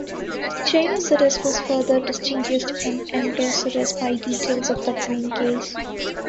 "Jainosaurus" was further distinguished from "Antarctosaurus" by details of the braincase.